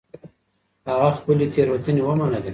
هغه خپلې تېروتنې ومنلې.